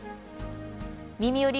「みみより！